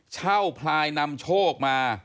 เช่าพลายนำโชกมา